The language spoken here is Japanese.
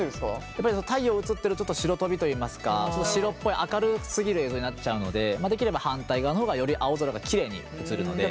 やっぱり太陽映ってると白飛びといいますか白っぽい明るすぎる映像になっちゃうのでできれば反対側の方がより青空がきれいに映るので。